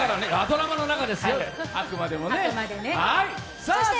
ドラマの中ですよ、あくまでも。